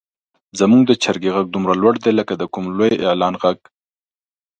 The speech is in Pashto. زموږ د چرګې غږ دومره لوړ دی لکه د کوم لوی اعلان غږ.